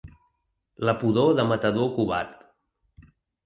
La pudor de matador covard.